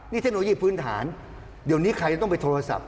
นี่เทคโนโลยีพื้นฐานเดี๋ยวนี้ใครจะต้องไปโทรศัพท์